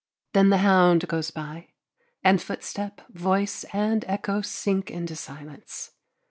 Then the hound goes by, and footstep, voice, and echo sink into silence.